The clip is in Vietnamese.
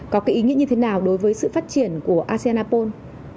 có cái ý nghĩa như thế nào đối với sự phát triển của asean apol